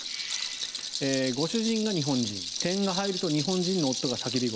ご主人が日本人点が入ると日本人の夫が叫び声。